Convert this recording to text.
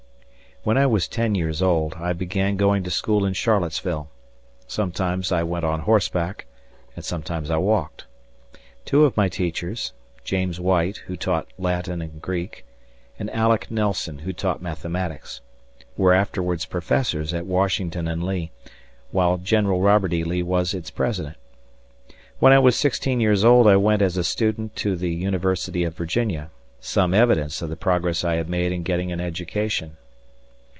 When I was ten years old I began going to school in Charlottesville; sometimes I went on horseback, and sometimes I walked. Two of my teachers, James White, who taught Latin and Greek, and Aleck Nelson, who taught mathematics were afterwards professors at Washington and Lee, while General Robert E. Lee was its president. When I was sixteen years old I went as a student to the University of Virginia some evidence of the progress I had made in getting an education.